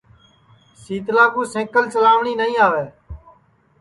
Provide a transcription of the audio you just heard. شیتلا کُو سئکل چلاٹی نائی آوے